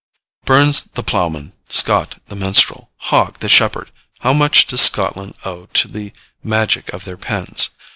Burns, the Ploughman Scott, the Minstrel Hogg, the Shepherd! How much does Scotland owe to the magic of their pens!